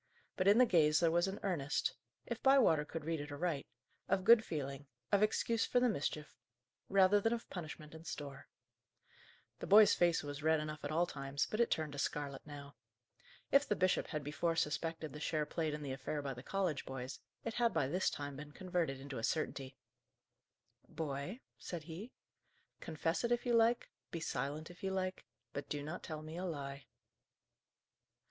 But in the gaze there was an earnest if Bywater could read it aright of good feeling, of excuse for the mischief, rather than of punishment in store. The boy's face was red enough at all times, but it turned to scarlet now. If the bishop had before suspected the share played in the affair by the college boys, it had by this time been converted into a certainty. "Boy," said he, "confess it if you like, be silent if you like; but do not tell me a lie."